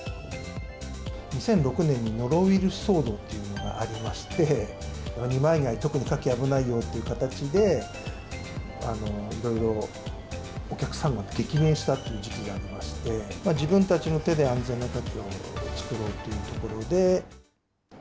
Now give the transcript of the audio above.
２００６年にノロウイルス騒動というのがありまして、二枚貝、特にカキ危ないよという形で、いろいろお客さんが激減したという時期がありまして、自分たちの手で安全なカキを作ろうというところで。